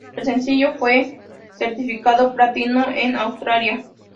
El sencillo fue certificado platino en Australia.